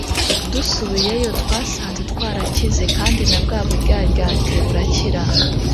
dusubiyeyo twasanze twarakize kandi na bwa buryaryate burakira.